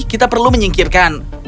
kita perlu menyingkirkan